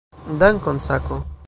Dankon, Sako!